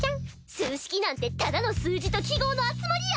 数式なんてただの数字と記号の集まりや！